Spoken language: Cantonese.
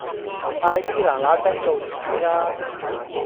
快啲拿拿聲做完佢啦